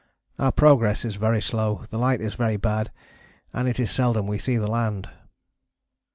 Our progress is very slow, the light is very bad, and it is seldom we see the land.